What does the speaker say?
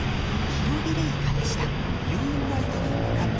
ヒロビレイカでした。